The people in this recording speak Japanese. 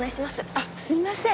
あっすいません。